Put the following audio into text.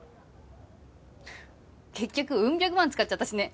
結局ウン百万使っちゃったしね！